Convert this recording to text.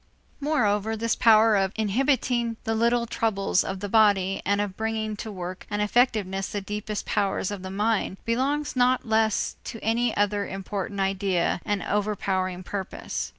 Moreover this power of inhibiting the little troubles of the body and of bringing to work and effectiveness the deepest powers of the mind belongs not less to any other important idea and overpowering purpose.